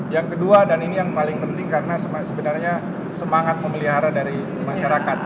yang kedua dan ini yang paling penting karena sebenarnya semangat memelihara dari masyarakat